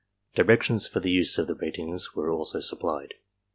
Directions for the use of the ratings were also supplied.